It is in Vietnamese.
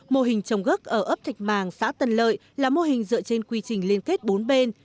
mô hình trồng gốc ở ấp thạch màng xã tân lợi là mô hình dựa trên quy trình liên kết bốn bên